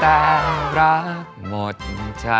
แต่น้องไม่ยอมค่ะ